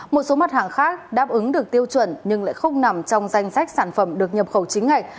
một số mặt hàng khác đáp ứng được tiêu chuẩn nhưng lại không nằm trong danh sách sản phẩm được nhập khẩu chính ngạch